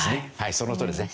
そのとおりですね。